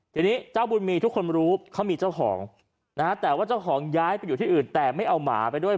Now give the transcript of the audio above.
ทีนี้เจ้าบุญมีทุกคนรู้เขามีเจ้าของนะฮะแต่ว่าเจ้าของย้ายไปอยู่ที่อื่นแต่ไม่เอาหมาไปด้วย